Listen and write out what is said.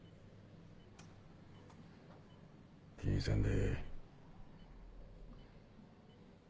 気にせんでええ。